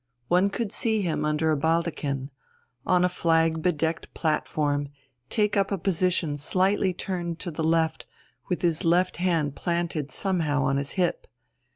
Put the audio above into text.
One could see him under a baldachin, on a flag bedecked platform, take up a position slightly turned to the left, with his left hand planted somehow on his hip.